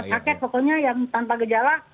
kakek pokoknya yang tanpa gejala